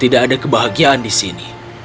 tidak ada kebahagiaan disini